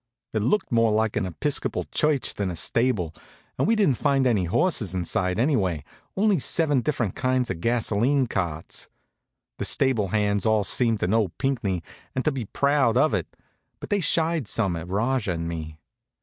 It looked more like an Episcopal church than a stable, and we didn't find any horses inside, anyway, only seven different kinds of gasoline carts. The stable hands all seemed to know Pinckney and to be proud of it, but they shied some at Rajah and me.